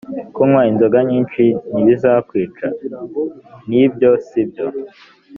kunywa inzoga nyinshi ntibizakwica‽ ni byo si byo‽